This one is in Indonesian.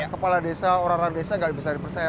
kepala desa orang orang desa nggak bisa dipercaya